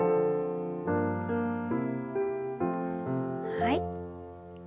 はい。